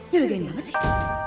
nyuruh gini banget sih